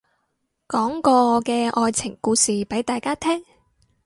講個我嘅愛情故事俾大家聽